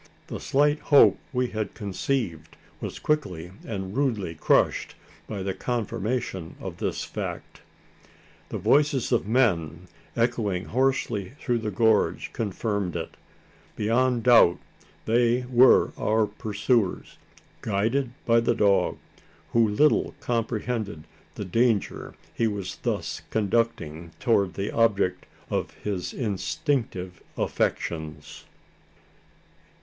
The slight hope we had conceived was quickly and rudely crushed, by the confirmation of this fact. The voices of men, echoing hoarsely through the gorge, confirmed it! Beyond doubt, they were our pursuers, guided by the dog who little comprehended the danger he was thus conducting towards the object of his instinctive affections!